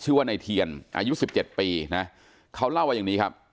ชื่อว่าในเทียนอายุ๑๗ปีเขาเล่าว่าอย่างนี้ครับ